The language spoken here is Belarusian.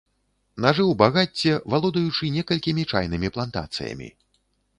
Нажыў багацце, валодаючы некалькімі чайнымі плантацыямі.